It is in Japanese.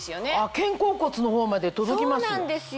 肩甲骨のほうまで届きますよ。